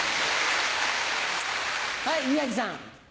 はい宮治さん。